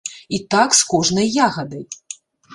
І так з кожнай ягадай.